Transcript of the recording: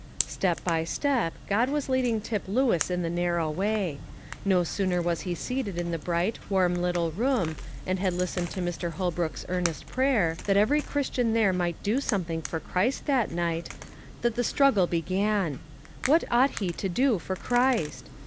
Step by step, God was leading Tip Lewis in the narrow way. No sooner was he seated in the bright, warm little room, and had listened to Mr. Holbrook's earnest prayer, that every Christian there might do something for Christ that night, than the struggle began: what ought he to do for Christ?